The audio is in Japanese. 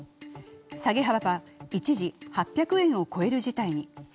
下げ幅は一時８００円を超える事態に。